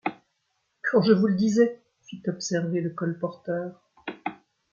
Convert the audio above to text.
Quand je vous le disais ! fit observer le colporteur.